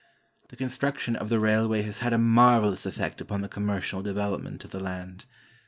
The construction of the railway has had a marvelous effect upon the commercial development of the land.